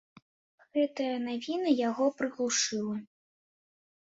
Гэтая навіна яго прыглушыла.